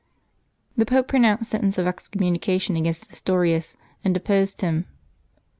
The Pope pronounced sentence of excommunication against Nestorius, and de posed him.